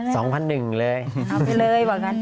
ทำไมล่ะ๒๑๐๐เลยเอาไปเลยหรือเปล่างั้น